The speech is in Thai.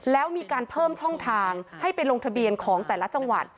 แล้วมีการเพิ่มช่องทางให้ไปลงทะเบียนของแต่ละจังหวัด